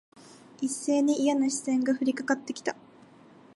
一斉にいやな視線が降りかかって来た。